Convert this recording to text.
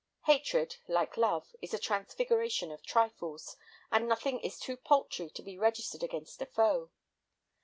Hatred, like love, is a transfiguration of trifles, and nothing is too paltry to be registered against a foe.